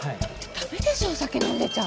だめでしょお酒飲んでちゃ。